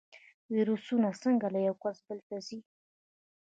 ویروسونه څنګه له یو کس بل ته ځي؟